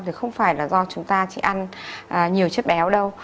thì không phải là do chúng ta chỉ ăn nhiều chất béo đâu